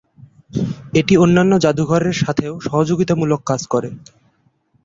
এটি অন্যান্য জাদুঘরের সাথেও সহযোগিতামূলক কাজ করে।